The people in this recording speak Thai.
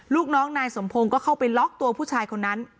ลูกน้องนายสมพงศ์ก็เข้าไปล็อกตัวผู้ชายคนนั้น